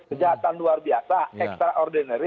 kejahatan luar biasa ekstra ordinary